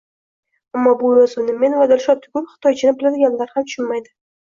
Ammo bu yozuvni men va Dilshod tugul, xitoychani biladiganlar ham tushunmaydi